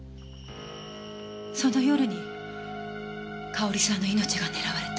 その夜に佳保里さんの命が狙われた。